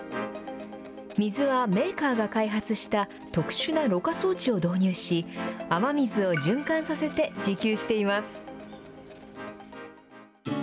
水はメーカーが開発した特殊なろ過装置を導入し、雨水を循環させて供給しています。